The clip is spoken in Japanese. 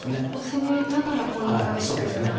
攻めながらポイントを挙げていくような。